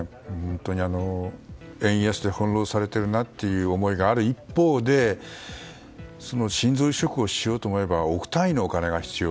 円安に翻弄されているなという思いがある一方で心臓移植をしようと思えば億単位のお金が必要。